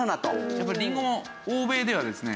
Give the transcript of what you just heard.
やっぱりりんごも欧米ではですね